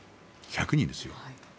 １００人ですよ。